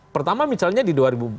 pertama misalnya di dua ribu empat belas